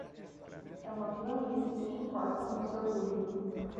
E uma planície que encorpa nosso orgulho